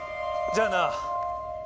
じゃあな。